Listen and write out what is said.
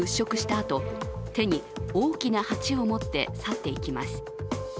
あと手に大きな鉢を持って去って行きます。